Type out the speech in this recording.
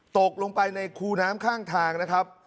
ตกลงไปในคูน้ำข้างทางนะครับ